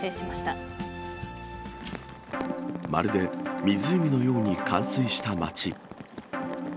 まるで湖のように冠水した街。